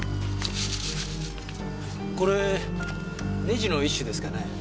これネジの一種ですかね。